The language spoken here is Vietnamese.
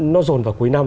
nó rồn vào cuối năm